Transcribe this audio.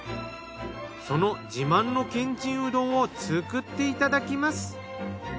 その自慢のけんちんうどんを作っていただきます。